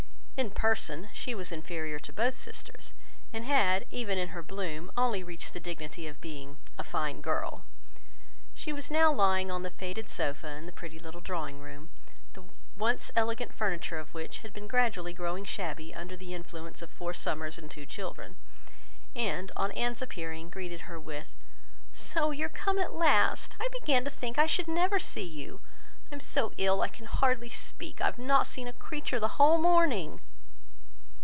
In person, she was inferior to both sisters, and had, even in her bloom, only reached the dignity of being "a fine girl." She was now lying on the faded sofa of the pretty little drawing room, the once elegant furniture of which had been gradually growing shabby, under the influence of four summers and two children; and, on Anne's appearing, greeted her with— "So, you are come at last! I began to think I should never see you. I am so ill I can hardly speak. I have not seen a creature the whole morning!"